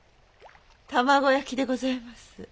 卵焼きでございます。